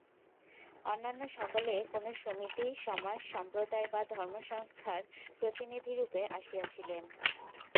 অন্যান্য সকলে কোন সমিতি, সমাজ, সম্প্রদায় বা ধর্মসংস্থার প্রতিনিধিরূপে আসিয়াছিলেন।